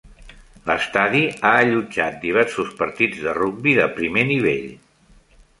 L'estadi ha allotjat diversos partits de rugbi de primer nivell.